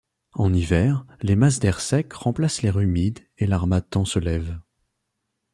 En hiver, les masses d’air sec remplacent l’air humide et l’harmattan se lève.